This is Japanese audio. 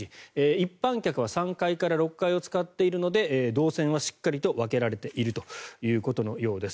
一般客は３階から６階を使っているので動線はしっかりと分けられているということのようです。